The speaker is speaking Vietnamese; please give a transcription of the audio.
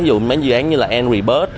ví dụ mấy dự án như là angry birds